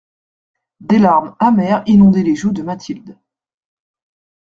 Des larmes amères inondaient les joues de Mathilde.